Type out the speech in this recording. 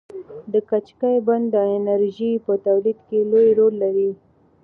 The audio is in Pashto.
د کجکي بند د انرژۍ په تولید کې لوی رول لري.